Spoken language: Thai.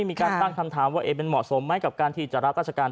มีการตั้งคำถามเป็นหมอสมไหมกับการที่อยู่ในอัตราชการ